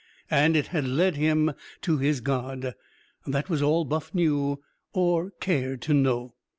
And it had led him to his god. That was all Buff knew or cared to know.